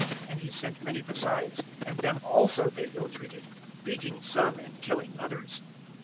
And he sent many besides, and them also they ill treated, beating some and killing others.